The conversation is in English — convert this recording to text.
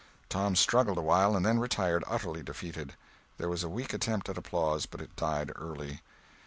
Tom struggled awhile and then retired, utterly defeated. There was a weak attempt at applause, but it died early.